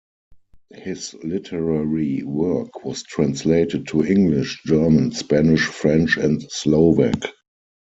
His literary work was translated to English, German, Spanish, French and Slovac.